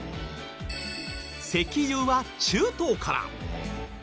石油は中東から。